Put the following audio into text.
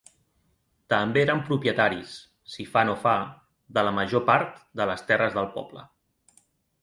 També eren propietaris, si fa no fa, de la major part de les terres del poble.